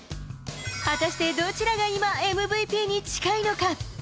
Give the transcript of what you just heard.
果たしてどちらが今、ＭＶＰに近いのか。